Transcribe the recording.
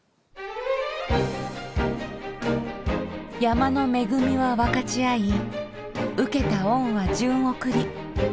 山の恵みは分かち合い受けた恩は順送り。